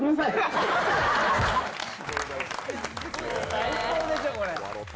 最高でしょ、これ。